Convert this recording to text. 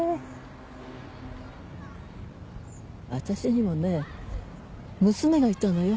私にもね娘がいたのよ。